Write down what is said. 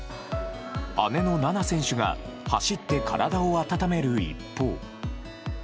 姉の菜那選手が走って体を温める一方。